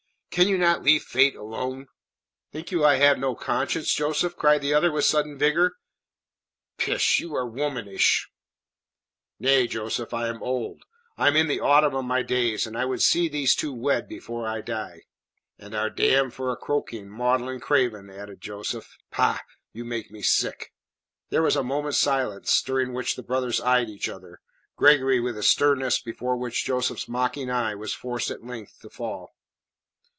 "Can you not leave Fate alone?" "Think you I have no conscience, Joseph?" cried the other with sudden vigour. "Pish! you are womanish." "Nay, Joseph, I am old. I am in the autumn of my days, and I would see these two wed before I die." "And are damned for a croaking, maudlin' craven," added Joseph. "Pah! You make me sick." There was a moment's silence, during which the brothers eyed each other, Gregory with a sternness before which Joseph's mocking eye was forced at length to fall.